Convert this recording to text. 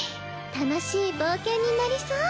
楽しい冒険になりそう。